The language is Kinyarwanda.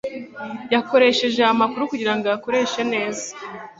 Yakoresheje aya makuru kugirango ayakoreshe neza.